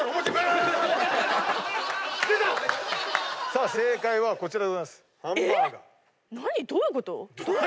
さあ正解はこちらでございます。